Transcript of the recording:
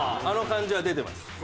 あの感じが出てます。